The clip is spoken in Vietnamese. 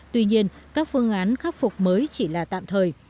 tuy nhiên các phương án khắc phục mới chỉ là tạm thời